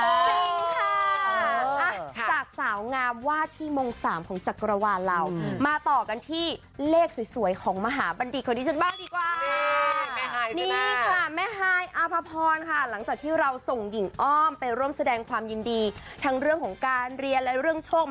จริงค่ะอ่าสาวงามวาดที่โมงสามของจักรวาลเรามาต่อกันที่เลขสวยของมหาบันดิก